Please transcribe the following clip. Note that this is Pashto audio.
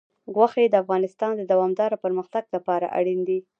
غوښې د افغانستان د دوامداره پرمختګ لپاره اړین دي.